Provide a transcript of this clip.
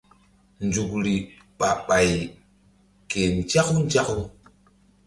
Nzukri ɓah ɓay ke nzaku nzaku.